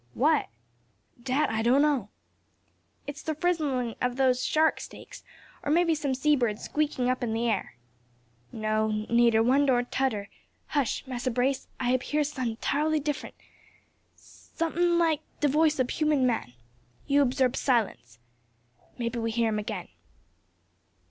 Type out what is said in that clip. "What?" "Dat I doan know." "It's the frizzlin' o' those shark steaks; or, maybe, some sea bird squeaking up in the air." "No, neyder one nor todder. Hush! Massa Brace, I hab hear some soun' 'tirely diffrent, somethin' like de voice ob human man. You obsarb silence. Maybe we hear im agen."